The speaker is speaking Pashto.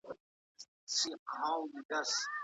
طلاق ډېر نژدې انسانان سره بيلوي.